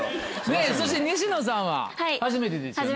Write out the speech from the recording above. そして西野さんは初めてですよね。